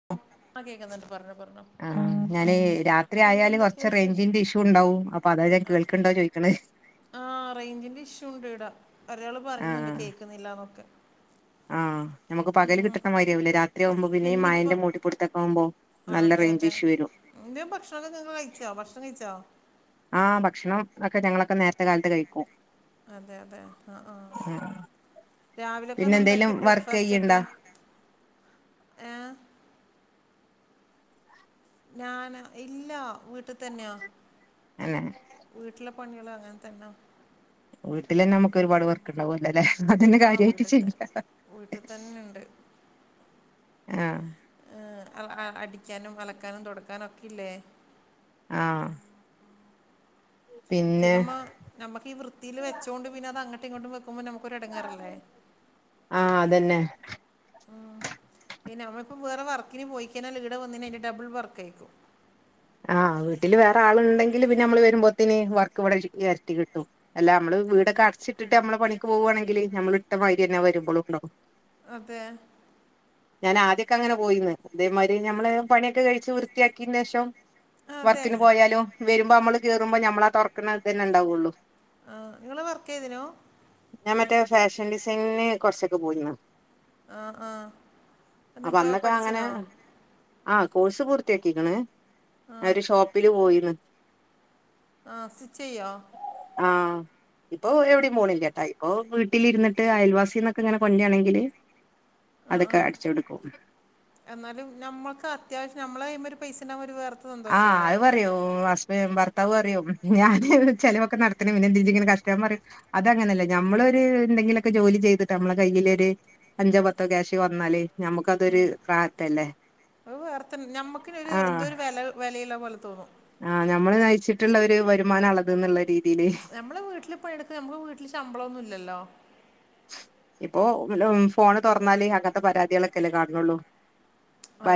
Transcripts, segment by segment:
[inaudible] ആ കേക്കുന്നുണ്ട് പറഞ്ഞോ പറഞ്ഞോ ആഹ് ഞാന് രാത്രി പിന്നെ ആയാല് എന്തൊക്കെയാ കൊറച്ചെ വിശേഷം റെയ്ഞ്ചിന്റെ ഇഷ്യൂണ്ടാവും അപ്പൊ അതാ ഞാൻ കേൾക്ക്ണ്ടോ ചോയ്ക്ക്ണെ? ആഹ് റെയ്ഞ്ചിന്റെ ഇഷ്യൂണ്ട്ടെ ഒരാള് പറയ്ന്ന്ണ്ട് ആഹ് കേക്ന്നില്ലാന്നൊക്കെ ആഹ് ഞമ്മക്ക് പകല് കിട്ട്ണ മാരിയാവൂല രാത്രിയാവുമ്പോ പിന്നെ ഈ മഴെന്റെ മൂടിപ്പുടുത്തൊക്കാവുമ്പോ ആഹ് അതെ അതെ ഇന്റെ ഭക്ഷണൊക്കെ ങ്ങള് കഴിച്ചോ? ഭക്ഷണം കഴിച്ചോ? ആഹ് ഭക്ഷണം ഒക്കെ ഞങ്ങളൊക്കെ നേരത്തെ കാലത്തെ കഴിക്കും അതെ അതെ ആഹ ആഹ് ഉം. പിന്നെ രാവിലെക്കെന്താ എന്തേലും ഇണ്ടാക്കിയെ വർക്ക് ചെയ്യ്ണ്ടാ ബ്രേക്ക്ഫാസ്റ്റൊക്കെ? ഏഹ്? ഞാനോ? ഇല്ല്യ വീട്ട് തന്നെയാ എന്നെ? വീട്ടിലെ പണിയള് അങ്ങനെതന്നാ വീട്ട്ലെന്നെ അമ്മക്കൊരുപാട് വർക്ക്ണ്ടാവൊല്ലലെ അതന്നെ കാര്യായിട്ട് ചെയ്യാ വീട്ട്തെന്നെണ്ട് ആഹ് ഏഹ് അ അടിക്കാനും, അലക്കാനും, തൊടക്കാനൊക്കില്ലേ? ആഹ് പിന്നെ പിന്നെമ്മ നമ്മക്കീ വൃത്തീല് വെച്ചോണ്ട് പിന്നത് അങ്ങട്ട്ങ്ങോട്ടും വെക്കുമ്പോ നമ്മക്കൊരു എടങ്ങേറല്ലേ? ആഹ് അതന്നെ ഉം പിന്നെ നമ്മള്പ്പൊ വേറെ വർക്കിന് പോയിക്കഴിഞ്ഞാല് ഈടെ വന്ന്നെ അയിന്റെ ഡബ്ൾ വർക്കെക്കും ആഹ് വീട്ടില് വേറെ ആള്ണ്ടെങ്കില് പിന്നമ്മള് വെരുമ്പോത്തിന് വർക്ക് വ്ടെ എരട്ടി കിട്ടും എല്ലാ അമ്മള് വീടൊക്കെ അട്ച്ചിട്ടിട്ട് മ്മളെ പണിക്ക് പോവാണെങ്കില് ഞമ്മള് ഇട്ടമാരിയെന്നെ വെരുമ്പൊളുണ്ടാവും അതെ ഞാനാദ്യൊക്കെ അങ്ങനെ പോയീന്ന് ഇതേമാരി ഞമ്മളെ പണിയൊക്കെ കഴിച്ച് വൃത്തിയാക്കീന്റേഷം ആ, അതെ വർക്കിന് പോയാലും വെരുമ്പോ അമ്മള് കേറുമ്പോ ഞമ്മളാ തൊർക്ക്ണെ ഇതന്നെണ്ടാവൊള്ളൂ ആഹ് ഇങ്ങള് വർക്കെയ്തിനു? ഞാ മറ്റെ ഫാഷൻ ഡിസൈനിങ്ങ്ന് കൊറച്ചൊക്കെ പോയിന്ന് ആഹ് ആഹ് അപ്പൊ എന്നട്ടോ അന്നൊക്കെ അങ്ങനെ പട്ച്ചിനൊ? ആഹ് കോഴ്സ് പൂർത്തിയാക്കിക്ക്ണ് ആ ഞാ ഒരു ഷോപ്പില് പോയിന്ന് ആഹ് സ്റ്റിച്ചെയ്യോ? ആഹ് ഇപ്പൊ ഒ എവ്ടിം പോണില്ല്യാട്ടോ ഇപ്പൊ വീട്ടിലിരിന്ന്ട്ട് അയൽവാസിന്നൊക്കെങ്ങെനെ കൊൺണ്ട്രാണെങ്കില് ആ ആ അതെക്കെ അട്ച്ചൊട്ക്കും എന്നാലും നമ്മക്ക് അത്യാവിശ്യം നമ്മളെ കയ്യ്മ്മേ ഒരു പൈസെണ്ടാവുമ്പോ ഒരു വേറെ ആഹ് അഹ് പറയൂ ഹസ്ബെ ഭർത്താ വ് പറയും ഞാന് ചെലവൊക്കെ നടത്ത്ണെ പിന്നെന്തിന് ഇജ്ജ്ങ്ങെനെ കഷ്ട ഞാ പറയും അതങ്ങനല്ലേ നമ്മളൊരു എന്തെങ്കിലൊക്കെ ജോലി ചെയ്ത്ട്ട് നമ്മളെ കയ്യിലൊര് അഞ്ചോ പത്തോ ക്യാഷ് വന്നാല് ഞമ്മക്ക് അതൊരു റാഹത്തല്ലേ? അഹ് വേറെത്തന്നെ ഞമ്മക്കെന്നൊരു എന്തോ ആഹ് ഒരു വെല വെലയിള്ള പോലെ തോന്നും ആഹ് ഞമ്മള് നയ്ച്ചിട്ട്ള്ള ഒരു വരുമാനാള്ളെത് എന്ന്ള്ള രീതീല് നമ്മള് വീട്ടിലിപ്പം എട്ക്കാ നമ്മക്ക് വീട്ടില്പ്പം ശമ്പളൊന്നുല്ലല്ലോ? ഇപ്പൊ പിന്നെ ഫോണ് തൊർന്നാല് അങ്ങത്തെ പരാതികളൊക്കെല്ലേ കാൺണൊള്ളൂ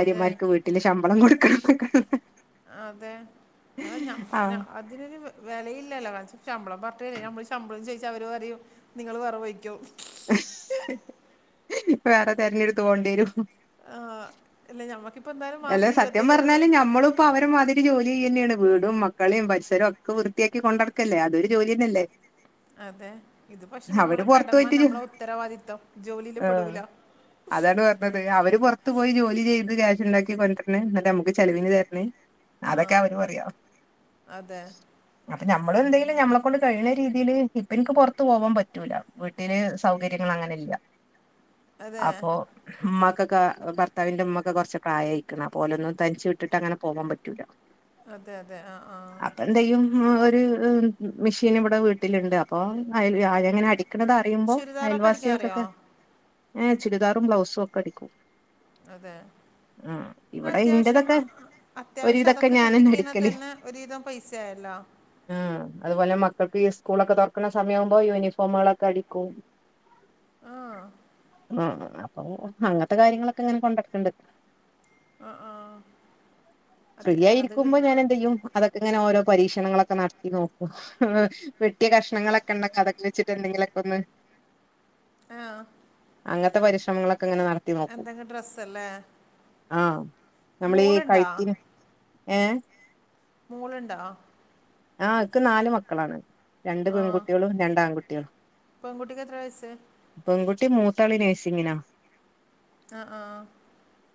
അതെ വീട്ടില് ശമ്പളം കൊടുക്കണന്നൊക്കെ അതെ ആഹ് ഞമ്മ ആഹ് [unintelligible] അത് ഇതിനൊരു വെലയില്ലല്ലോ ശമ്പളം [unintelligible] നമ്മള് ശമ്പളം ചോയിച്ചാ അവര് പറയും നിങ്ങള് വേറെ പോയ്ക്കോ വേറെ തെര്ഞ്ട്ത്ത് പോണ്ടിയെരും ആഹ് അല്ല ഞമ്മക്കിപ്പെന്തായാലും മാസം ഇരുവത്തയ്യായിരൊന്ന് വെച്ച് പ്പൊ അവരെമാതിരി ജോലി ചെയ്യെന്നേണ് വീടും, മക്കളിം, പരിസരോ ഒക്കെ വൃത്തിയാക്കി കൊണ്ടട്ക്കല്ലേ അതൊരു ജോലിന്നെല്ലെ? അതെ ഇത് പക്ഷെ നമ്മളെ പുറത്തു കടമ പോയിട്ട് ജോ നമ്മളെ ഉത്തരവാദിത്തം ജോലില് ആഹ് പെടൂല അതാണ് പറഞ്ഞത് അവര് പുറത്ത് പോയി ജോലി ചെയ്ത് ക്യാഷ് ഇണ്ടാക് കൊണ്ടന്ന് എന്നിട്ട് നമ്മുക്ക് ചെലവിന് തരണ് ആ അതൊക്കെ അവര് പറയ അതെ അപ്പൊ ഞമ്മള് എവിടേലും ഞമ്മളെ കൊണ്ട് കഴിയണ രീതിയിയില് ഇപ്പ എനിക്ക് പൊറത്ത് പോവാൻ പറ്റൂല വീട്ടില് സൗകര്യങ്ങള് അങ്ങന് ഇല്ല അതെ അപ്പൊ ഉമ്ക്കൊക്കെ ഭർത്താവിന്റെ ഉമ്മക്കെ കുറച്ച് പ്രായയായി ക്കെന്നാപോലൊന്നും തനിച്ച് വിട്ടിട്ട് അങ്ങനെ പോവാൻ പറ്റൂല അതെ അതെ ആഹ് ആഹ് എന്തേയ്യും ഒരു മെഷീൻ ഇവിടെ വീട്ടിലിണ്ട് അപ്പൊ അങ്ങനെ അടിക്കണത് ദാ അറിയുമ്പോ ചുരിദാറൊക്കെ അടിക്കാൻ അറിയോ അയൽവാസികൾക്കൊക്കെ ഏഹ് ചുരിദാറും ബ്ലൗസും ഒക്കെ അടിക്കും അതെ ആഹ് ഇവിടെ അത്യാവശ്യം ഇന്റതൊക്കെ അത്യാവശ്യം ഒരുവിതൊക്കെ അതൊക്കെ ഞാനന്നെ കിട്ടിക്കഴിഞ്ഞാ അടിക്കല് തന്നെ ഒരുവിധം പൈസയല്ലോ ആഹ് അതുപോലെ മക്കൾക്ക് ഈ ഈ സ്കൂളൊക്കെ തൊറക്കണ സമയവുമ്പോ യൂനിഫോമുകളൊക്കെ അടിക്കും ആഹ് ആഹ് ആഹ് അപ്പൊ അങ്ങനത്തെ കാര്യങ്ങളൊക്കെ ഇങ്ങനെ കൊണ്ടടക്കണ്ട് ആ ആ ഫ്രീ അത്യ- അല്ല അത് ആയിരിക്കുമ്പോ കിട്ടി ഞാൻ എന്ത് യ്യും അതൊക്കെ ഇങ്ങനെ ഓരോ പരീക്ഷണങ്ങളൊക്കെ നടത്തി നോക്കും ആഹ് വെട്ടിയ കഷ്ണങ്ങളൊക്കെ ഉണ്ടെങ്കി അതൊക്കെ വെച്ചിട്ട് എന്തെങ്കില്ക്കെ ഒന്ന് ആഹ് അങ്ങനത്തെ പരിശ്രമങ്ങളൊക്കെ ഇങ്ങനെ നട എന്തെങ്കി ഡ്രസ്സല്ലേ ആഹ് നമ്മളീ മോളുണ്ടോ കഴുത്തിന് ഏഹ് മോളിണ്ടാ ആഹ് ഇക്ക് നാല് മക്കളാണ് രണ്ട് ആ പെൺകുട്ടികളും രണ്ട് ആൺകുട്ടികളും പെൺകുട്ടിക്ക് എത്ര വയസ്സ് പെൺകുട്ടി മൂത്താള് നേഴ്സിങ്ങിനാ ആഹ് ആഹ്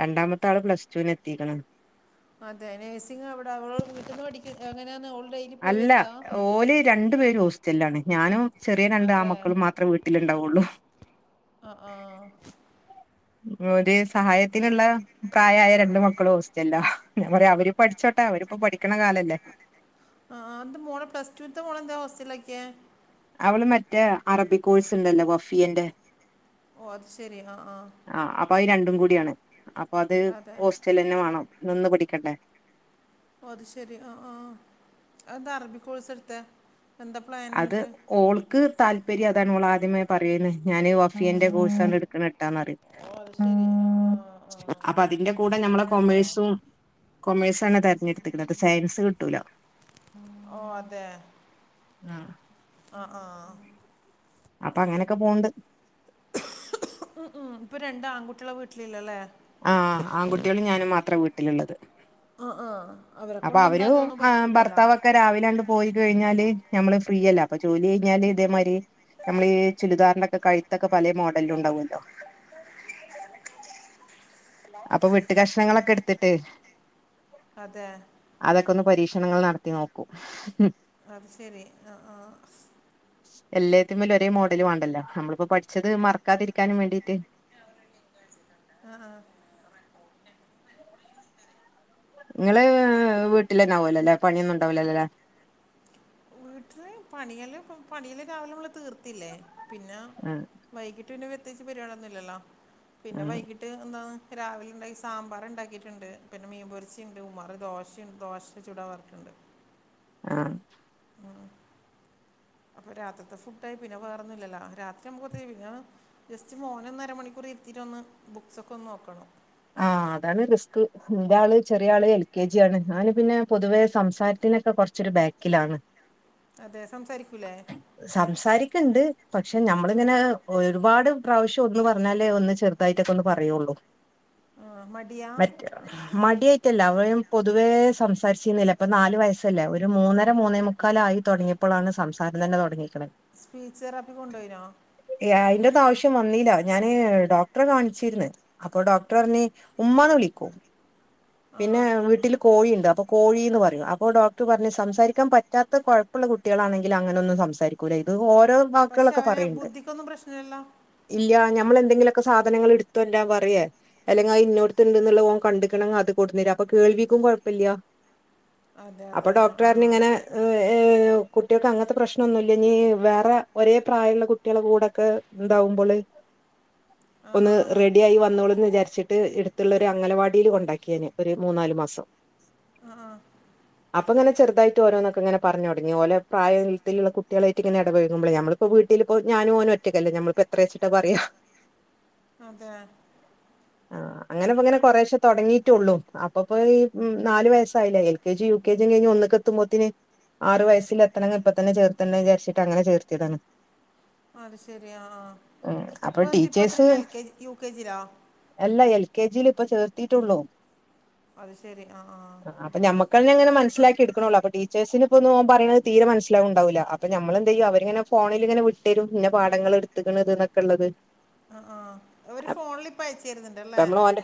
രണ്ടാമത്തെ ആള് പ്ലസ്ടുന് എത്തിക്ക്ണ് അതെ നേഴ്സിങ് എവിടെ അവ് വീട്ടീന്ന് പഠിക്ക എങ്ങനെയന്ന് അവൾ ഡൈ അല്ല ഓല് രണ്ടു പേരും ഹോസ്റ്റലിലാണ് ഞാനും ചെറിയ രണ്ട് അതെ ആൺമക്കളും മാത്രം വീട്ട ട്ടിൽ ഉണ്ടാവുള്ളൂ ആഹ് ആഹ് ഒരു സഹായത്തിനുള്ള പ്രായായ രണ്ട് മക്കളും ഹോസ് ചല്ലോ ഞാപറയാ അവര് പഠിച്ചോട്ടെ അവരിപ്പപഠിക്കണ കാലല്ലേ അഹ് ആഹ് എന്താ മോളെ പ്ലസ്ടുത്തെ മോളന്താ ഹോസ്റ്റലാക്കിയെ അവള് മറ്റേ അറബി കോഴ്സ്ണ്ടല്ലോ വഫിയന്റെ ഓ അത് ശരി ആ ആ ആഹ് അപ്പൊ അത് രണ്ടും കൂടിയാണ് അപ്പൊ അത് അതെ ഹോസ് റ്റലന്നെ വാണം നിന്ന് പടിക്കണ്ടേ ഓ അത് ശെരി ആഹ് ആഹ് അഹ് എന്താ അറബികോഴ്സെടുത്തെ അത് ഓൾക്ക് താല്പര്യം അതാണ് ഓൾ ആദ്യമേ പറയീന്ന് ഞാന് വഫിയന്റെ കോഴ്സാണ് ഇടുക്കണട്ടാന്നറിയും ഓ അത് ശരി ആ ആ ആ അപ്പൊ അതിന്റെ കൂടെ ഞമ്മളെ അങ്ങനെ എടുത്തതാ കൊമേഴ്സും കൊമേഴ്സ ആണ് തിരഞ്ഞെടുത്ക്ക്ണ് സയൻസ് കിട്ടൂലാ ഓ അതെ ആഹ് ആഹ് ആഹ് അപ്പൊ അങ്ങനൊക്കെ പൊണണ്ട് ആഹ് ആഹ് ഇപ്പൊ രണ്ടാൺകുട്ടികളാ വീട്ടില് ഒള്ളല്ലെ ആഹ് ആൺകുട്ടികളും ഞാനും മാത്ര വീട്ടിലുള്ളത് ആഹ് ആഹ് അവരെക്കൊണ്ട് എന്താലും ഒന്നും പറ്റൂലല്ലോ ക്കെ രാവിലങ്ങണ്ട് പോയി കഴിഞ്ഞാല് നമ്മള് ഫ്രീയല്ലേ അപ്പൊ ജോലി കഴിഞ്ഞാല് ഇതേമാരി നമ്മളീ ചുരിദാറിന്റെക്കെ കഴുത്തൊക്കെ പല മോഡലിലും ഉണ്ടാവോല്ലോ അപ്പൊ വെട്ട്കഷ്ണങ്ങളൊക്കെടുത്തിട്ട് അതെ അതൊക്കെ ഒന്ന് പരീക്ഷണങ്ങൾ നടത്തി നോക്കൂ [unintelligible] അത് ശെരി ആഹ് ആഹ് എല്ലാത്തിൻമലും ഒരേ മോഡലും വേണ്ടല്ലോ നമ്മളിപ്പോ പഠിച്ചത് മറക്കാതിരിക്കാനും വേണ്ടിട്ട് ആഹ് ആഹ് ങ്ങള് വീട്ടിലന്നെആവോലോലേ പണിയൊന്നുംണ്ടാവൂലല്ലേ പണിയല്ലാ പണിയൽ രാവിലെമ്മൾ തീർത്തില്ലേ പിന്നെ ആഹ് വൈകിട്ട് പിന്നെ പ്രതേയ്ച്ച് പണിയൊന്നില്ലല്ലോ പിന്നെ ആഹ് വൈകിട്ട് ട്ട് എന്താണ് രാവിലെണ്ടാക്കിയസാമ്പാർണ്ടാക്കിട്ടുണ്ട് പിന്നെ മീൻപൊരിച്ചിണ്ട് ഉമാർ ദോശണ്ട് ദോശ് ചൂടാവാർക്കുണ്ട് ആഹ് അപ്പൊ രാത്രിത്തെ ഫുഡ് ആയി പിന്നെ വേറന്നൊല്ലല്ലോ രാത്രി നമ്മക്ക് [unintelligible] ജസ്റ്റ് മോനെ ഒന്നര മണിക്കൂർ ഇരുത്തിയിട്ടൊന്ന് ബുക്സൊക്കെ ഒന്ന് നോക്കണം ആഹ് അതാണ് റിസ്ക് ന്റാള് ചെറിയ ആള് എൽ കെ ജി ആണ് അവന് പിന്നെ പൊതുവെ സംസാരത്തിനൊക്കെ കുറച്ച് ച്ചൊരു ബാക്കിലാണ് അതെ സംസാരിക്കൂല്ലേ സംസാരിക്ണ്ട് പക്ഷെ നമ്മളിങ്ങനെ ഒരുപാട് പ്രാവശ്യം ഒന്ന് പറഞ്ഞാലേ ഒന്ന് ചെർ തായിട്ടൊക്കെ ഒന്ന് പറയുള്ളൂ ആഹ് മ മറ്റ മടിയായിട്ടല്ല അവൻ പൊതുവേ സംസാരിച്ചിന്നില്ല ഇപ്പൊ നാല് വയസല്ലേ ഒരു മൂന്നര മൂന്നേമു ക്കാല ആയി തുടങ്ങിയപ്പോളാണ് സംസാരം തന്നെ തുടങ്ങിക്ണ് സ്പീച്റാപ്പി കൊണ്ടുവോയ്നോ അതിന്റെ ആവശ്യം വന്നില്ല ഞാന്‍ ഡോക്ടറെ കാണിച്ചിരുന്നു ഡോക്ടര്‍ ചോദിച്ചു ഉമ്മാ എന്ന് വിളിക്കണോ? ആ വീട്ടിൽ കോഴിയുണ്ട് അപ്പൊ കോഴിന്ന് പറയും അപ്പൊ ഡോക്ടർ പറഞ്ഞു സംസാരിക്കാൻ പറ്റാത്ത കുട്ടി അല്ല സംസാരിക്കാൻ പറ്റാത്ത കുട്ടികളാണെങ്കിൽ അങ്ങനൊന്നും സാരിക്കില്ല ഓരോ പക്ഷെ വാക്കുകളൊക്കെ അവന് പറയണ്ട് ബുദ്ധിക്കൊന്നും പ്രശ്നമില്ലല്ലോ ഇല്ല നമ്മൾ എന്തെങ്കിലും സാധനങ്ങൾ എടുത്തു കൊണ്ട് വരാൻ പറഞ്ഞാൽ അല്ലെങ്കിൽ ആഹ് ഇന്നോടത്തുണ്ടന്നുള്ള പോ കണ്ട കണെിൽ അത് കൊടുരാം അപ്പ കേൾവിക്കും കുഴപ്പമില്ല അതെ അപ്പൊ അതെ ആ ആ ഡോക്ടർാര ഇങ്ങനെ കുട്ടികൾക്ക് അങ്ങനത്തെ പ്രശ്നംന്നുമല്ല ഇനി വേറെ ഒരേ പ്രായമുള്ള കുട്ടികള കൂടെൊക്കെ എന്താവുമ്പോള് ആ ആ ഒന്ന് റെഡി ആായി വന്നോളൂന്ന് വിചാരിച്ചിട്ട് എടുത്തുള്ള ഒരു അംഗലവാടിൽ കൊണ്ടാക്കിയന് ഒരു മൂന്നാല് മാസം ആഹ് ആഹ് [inaudible] അപ്പൊ ഇങ്ങെ ചെറുതായിട്ട് ഓരോൊക്കെങ്ങനെ പറഞ്ഞ തുടങ്ങിഓല പ്രായത്തിലുള്ള കുട്ടികളായിട്ട് ഇങ്ങന ഇടപൊക്കുമ്പളേ നമ്മള് ഇപ്പ വീട്ടിൽ പോ ഞാനൻ പോകും ഒറ്റക്കല്ല ഞമ്മിപ്പോ എത്രയച്ചിട്ട പറയാുക അതെ ആ്ഹ് അങ്ങനെപ്പ ഇങ്ങനെ കൊറെേശെ തുടങ്ങിയിട്ടുള്ളൂ അപ്പപ്പയീ ന്നാല് വയസ്സായില്ലേ L K G, U K gym കയ്ഞ്ഞ് ഒന്ന്ക്കത്തുമ്പോത്തിന്. ആറ് വയസിൽ എത്തണെങ്കി ഇപ്പൊ തന്നെ ചേർത്തണ്ടേ വിചാരിച്ചീട്ട് അങ്ങനെ ചേർത്തിതാണ്. അത് ശെരിയാ, ആഹ് ഉം അപ്പൊ ഇപ്പം ഇന്നിട്ട് ഇപ്പത്രേല L K G U K G ലാ? അല്ലാഎൽ കെ ജിയില് ഇപ്പ ചേർത്തീട്ടൊള്ളൂ അത് ശെരി ആഹ് ആഹ് അപ്പ ഞമ്മക്കന്നെങ്ങനെ മൻസിലാക്ക്യട്ക്കണോള്ളു അപ്പ ടീച്ചേഴ്സിന്പ്പോന്നും ഓം പറനത് തീരെ മൻസിലാവ്ണ്ടാവൂല. അപ്പൊ ഞമ്മളെന്തെയ്യും അവരിങ്ങനെ ഫോണിലിങ്ങനെ വ്ട്ടരും ഇന്ന പാടങ്ങള്ട്ത്ത്ക്ക്ണത് ന്നക്കള്ളത്. അ ആഹ് അവര് ഫോൺല് പ്പയ്ച്ചര്ന്ന്ണ്ട്ലെ? നമ്മള് ഓന്റെ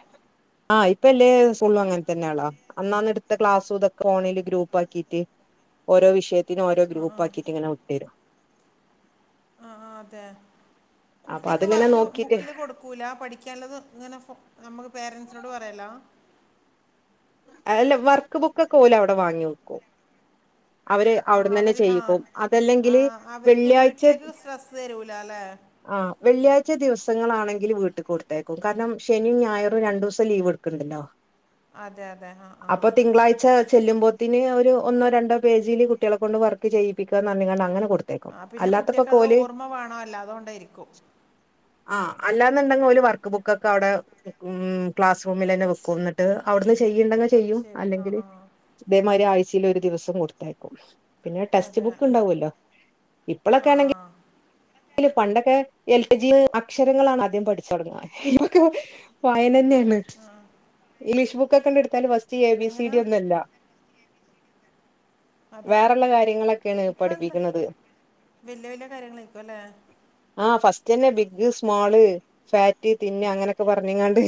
ആഹ് ഇപ്പയില്ലേ സ്കൂളും അങ്ങനെ തന്നെയാളാ. അന്നാന്ന എടുത്ത ക്ലാസ്, ഇതൊക്കെ ഓൺലൈനിൽ ഗ്രൂപ്പാക്കിറ്റ്, ഓരോ വിഷയ് ഇതിന് ഓരോ ഗ്രൂപ്പ് ആക്കിട്ട് ഇങ്ങനെ വിട്ട് തരും. ആഹ് അതെ, അപ്പൊ കുട്ടിക്ക് അതിങ്ങനെ വർക്ക് നോക്കിട്ട് ബുക്കില് കൊടു ക്കൂലാ പഠിക്കാള്ളത് ഇങ്ങനെ ഫോ ഞമ്മള് പേരൻസ്നോട് പറയലാ? അതല്ല വർക്ക് ബുക്കക്കെ ഓല് അവിടെ വാങ്ങി വെക്കും. അവര് ആ അവിടുന്ന് തന്നെ അവര് ആ ചെയ്യിക്കും ആ അതല്ലെങ്കില് അവർക്ക് വെള്ളിയാഴ്ച വീട്ടിലേക്ക് സ്ട്രെസ് തരൂല അല്ലേ ആഹ് വെള്ളിയാഴ്ച ദിവസങ്ങളാണെങ്കില് വീട്ട്ക്ക് കൊടുത്തേക്കും കാരണം ശനിയും ഞായറും രണ്ടൂസം ലീവ് എട് ക്ക്ട്ണ്ടല്ലോ അതെ അതെ ആ ആ അപ്പൊ തിങ്കളാഴ്ച ചെല്ലുമ്പോത്തിന് അവര് ഒന്നോ രണ്ടോ പേജീല് കുട്ടികളെ കൊണ്ട് വർക്ക് ചെയ്യിപ്പിക്കാന്ന് പറഞ്ഞ്കാണ്ട് അങ്ങനെ കൊടു ആഹ്, പിന്നെ കുട്ടീയക്കത് ഓർമ്മ വേണോ അല്ലോ അതോണ്ടായിരിക്കും. ആഹ് അല്ലാന്ന്ണ്ടെങ്കിൽ ഓല് വർക്ക് ബുക്കക്കെ അവിടെ ഉം ക്ലാസ് റൂമിൽ തന്നെ വെക്കും ഇന്ന് ട്ട് അവിടുന്ന് ചെയ്യ് ഇണ്ടെങ്ക് അത് ചെയ്യും ശരി ആ അല്ലെങ്കില് ആ ഇതേമാതിരി ആഴ്ചയിൽ ഒരു ദിവസം കൊടുത്ത് ണ്ടായിരിക്കും. പിന്നെ ടെക്സ്റ്റ് അതെ ബുക്ക് ഇണ്ടാവുല്ലോ ഇപ്പളെക്കെ ആ ആ ആണെങ്കി ല് പണ്ടൊക്കെ എൽ കെ ജിന്ന് അക്ഷരങ്ങളാണ് ആദ്യം പഠിച്ചൊടങ്ങാ ഇപ്പക്കെ വായനന്നെ മ്, ആ ഇംഗ്ലീഷ് ബുക്കൊക്കെ ണ്ട് എടുത്താൽ ഫസ്റ്റ് എ ബി സി എങ്ങനെ ഡി ഒന്നും അല്ല. അതെ വേറെള്ള കാര്യങ്ങളൊക്കെയാണ് പഠിപ്പിക്ക്ണത്. വല്യ, വല്യാ കാര്യങ്ങള് ആയിരിക്കും അല്ലേ? ആഹ് ഫസ്റ്റ് തന്നെ ബിഗ്, സ്മോള്, ഫാറ്റ്, തിന്ന് അങ്ങനൊക്കെ പറഞ്ഞ്ങ്ങാണ്ട്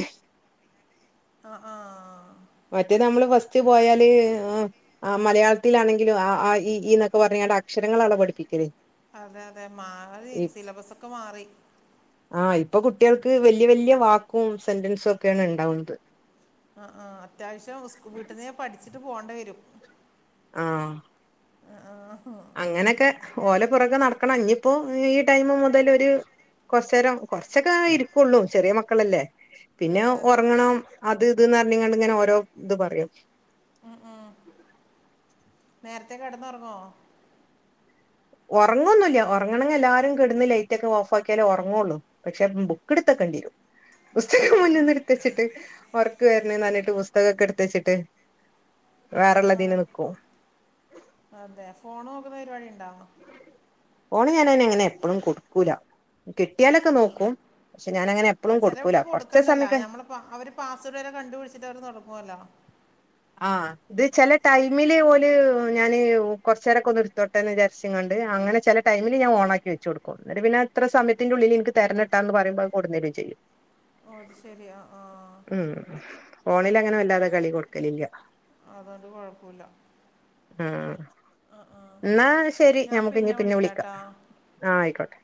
ആഹ് ആഹ് മറ്റേ നമ്മള് ഫസ്റ്റ് പോയാല് ആഹ് ആഹ്, മലയാളത്തിലാണെങ്കിലും അ, ആ, ഇ, ഈ എന്നൊക്കെ പറഞ്ഞാണ്ട് അക്ഷരങ്ങളാണല്ലോ, പഠിപ്പിക്കല്. അതെ, അതെ. മാറി സിലബസ ക്കെ മാറി. ആഹ്, ഇപ്പൊ കുട്ടികൾക്ക് വെല്ല്യ, വെല്ല്യ വാക്കും സെന്റൻസും ഒക്കെയാണ് ഇണ്ടാവ്ണത്. ആഹ് ആഹ് അത്യാവശ്യം സ്കൂവീട്ടന്നന്നേ പഠിച്ചിട്ട് പോണ്ടേരും ആഹ് ആഹ് ആഹ് അങ്ങനൊക്കെ ഓല പൊറകെ നടക്കണം ഈ ടൈമ് മുതല് കൊറച്ചേരം കൊറച്ചൊക്കെ ഇരിക്കുള്ളൂ ചെറിയ മക്കളല്ലേ പിന്നെ അതെ അതെ ഒറങ്ങണം അത് ത് പ റഞ് കാണ്ടിങ്ങനെ ഓരോ ഇത് പറയും ഉം ഉം നേരത്തെ കടന്ന് റങ്ങോ? ഉറങ്ങൊന്നുല്ല ഒറങ്ങണെങ്കില് എല്ലാരും കിടന്ന് ലൈറ്റോക്കെ ഓഫ് ആക്കിയാലേ ഉറങ്ങൊള്ളൂ. പക്ഷെ ബുക്ക് എടുത്തകണ്ണ്ടിയെരും പുസ്തകം മുന്ന്ന്ന് ഇടുത്തച്ചിട്ട്. ഒറക്ക് വരണ് പറഞ്ട്ട് പുസ്തകൊക്കെ ഇ ട് ത്തച്ചിട്ട് വേറെള്ളതിന് ന്നിക്കും. അതെ ഫോൺ നോക്കുന്ന പരിപാടി ഇണ്ട. ഫോണ് ഞാനങ്ങനെ എപ്പളും കൊടുക്കൂല. കിട്ടിയാലൊക്കെ നോക്കും പക്ഷെ ഞാനങ്ങനെ അല്ല എപ്പഴും ചെല കൊടുക്കൂല കുട്യാക്ക് കൊറച്ച് കൊടുക്കണ്ടല്ലോ സമയൊക്കെ ന്നമ്മ അവര് പാസ്വേടൊക്കെ കണ്ട്പിടിച്ചിട്ട് അവര് തൊടങ്ങൊലോ? ആഹ് ഇത് ചെല ടൈമില് ഓല് ഞാാന് കൊറച്ചേരൊക്കെ ന്ന് ഇട്ത്തോട്ടേന്ന് വിചാരിച്ച്കാണ്ട് അങ്ങനെ ചെല ടമിൽ ഞാ ഓണാക്കി വെച്ച് കൊടുക്കൂ എന്ന ടൈമിന് ഞാൻ ഓണാക്കി വെചൊടുക്കും പിന്നെത്ര സമയത്തിന്റെള്ളിൽ ഇൻക് ക്ക് തരണ ട്ടൊന്ന് പറുമ്പോ കൊടുന്നേരും ചെയും. ഓ അത് ശരി ആ ആ ഉം ഫോണിലങ്ങനെ വല്ലാതെ കളി കൊടുക അതോണ്ട് കൊഴപ്പുല്ല ഉം ഇന്നാ ശെരി ഞാൻ ഞമുക്ക് ഇനി പിന്നെ വിളിക്കാം വിളിക്കാട്ടോ ആഹ് ആയിക്കോട്ടെ.